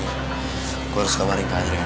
gue harus kabarin ke adrian